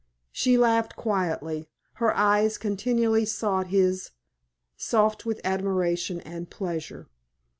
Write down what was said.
She laughed quietly. Her eyes continually sought his, soft with admiration and pleasure.